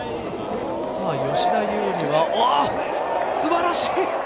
吉田優利は素晴らしい。